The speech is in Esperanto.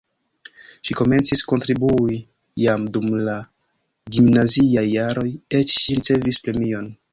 Ŝi komencis kontribui jam dum la gimnaziaj jaroj, eĉ ŝi ricevis premion.